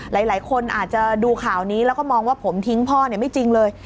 หลายคนอาจจะดูข่าวนี้แล้วก็มองว่าผมทิ้งพ่อไม่จริงเลย